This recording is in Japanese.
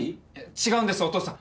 違うんですお父さん。